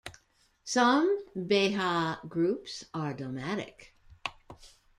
Some Beja groups are nomadic.